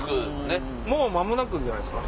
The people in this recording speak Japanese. もう間もなくじゃないですか。